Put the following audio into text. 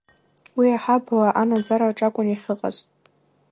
Уи аҳабла анаӡараҿ акәын иахьыҟаз.